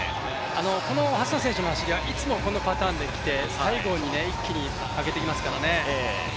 このハッサン選手の走りはいつもこのパターンで来て最後に一気に上げてきますからね。